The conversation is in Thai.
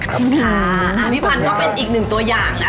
ค่ะพี่พันธุ์ก็เป็นอีกหนึ่งตัวอย่างนะ